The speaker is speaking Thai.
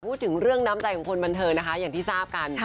พูดถึงเรื่องน้ำใจของคนบันเทิงนะคะอย่างที่ทราบกัน